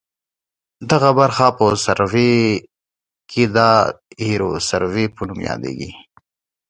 دغه برخه په سروې کې د ایروسروې په نوم یادیږي